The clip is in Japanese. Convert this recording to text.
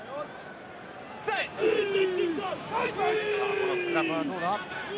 このスクラムはどうだ？